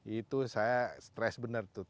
itu saya stress benar tuh